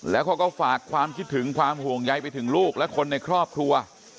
แล้วเขาก็ฝากความคิดถึงความห่วงใยไปถึงลูกและคนในครอบครัว